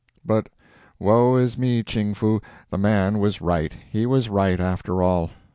But woe is me, Ching Foo, the man was right. He was right, after all.